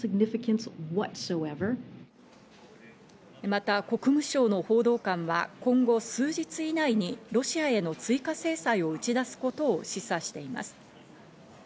また国務省の報道官は、今後数日以内にロシアへの追加制裁を打ち出すことを示唆しています。